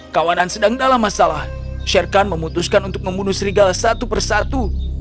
kawanan sedang dalam masalah sherkan memutuskan untuk membunuh serigal satu persatu